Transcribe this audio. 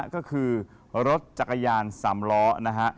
ก็คือรถจักรยาน๓ล้อนะฮะ